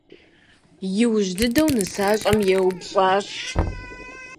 И ужь дыдэу, нысащӀэм еупщӀащ.